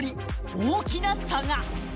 大きな差が。